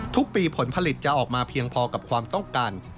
ทุกปีผลผลิตจะออกมาเพียงพอกับความต้องการ